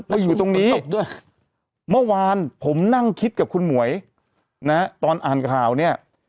แล้วอยู่ตรงนี้เมื่อวานผมนั่งคิดกับคุณหมวยนะตอนอ่านข่าวเนี่ย